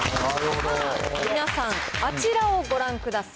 皆さん、あちらをご覧ください。